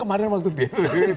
kemarin waktu dia